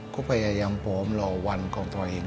ก็ไปยังปลอมรอวันของตัวเอง